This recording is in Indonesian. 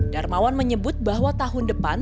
darmawan menyebut bahwa tahun depan